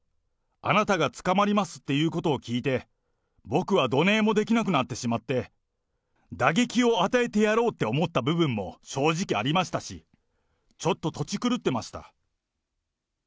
あなたが捕まりますっていうことを聞いて、僕はどねぇもできなくなってしまって、打撃を与えてやろうって思った部分も、正直ありましたし、ちょっととち狂ってました。